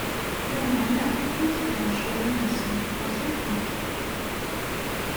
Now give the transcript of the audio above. Lameɛna hudd tiɛencuṛin-nsen, rreẓ-itent.